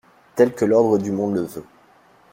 tel que l'ordre du monde le veut.